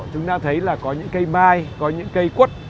chúng ta thấy là có những cây mai có những cây quất